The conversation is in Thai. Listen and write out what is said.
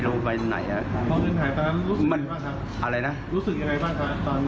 รู้สึกยังไงบ้างครับตอนนั้น